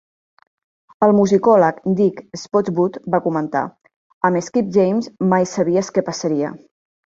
El musicòleg Dick Spottswood va comentar: Amb Skip James, mai sabies que passaria.